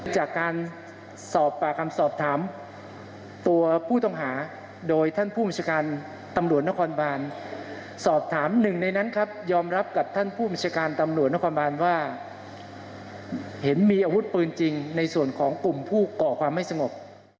จากการปรากรรมสอบถามตัวผู้ต้องหาโดยท่านพุทธศักรรณฐ์ตำรวจนครบานสอบถามหนึ่งในนั้นครับยอมรับกับท่านพุทธศักรณฐ์ตำรวจนครบานว่าเห็นมีอวบปืนจริงในส่วนของกลุ่มผู้เกาะความไม่สงบ